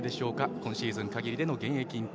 今シーズン限りでの現役引退